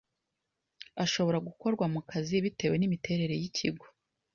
ashobora gukorwa mu kazi bitewe n’imiterere y’ikigo